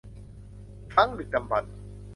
ครั้งดึกดำบรรพ์